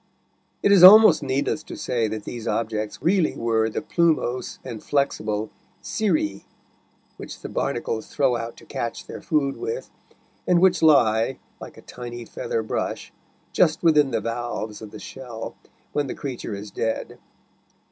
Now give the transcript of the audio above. It is almost needless to say that these objects really were the plumose and flexible cirri which the barnacles throw out to catch their food with, and which lie, like a tiny feather brush, just within the valves of the shell, when the creature is dead.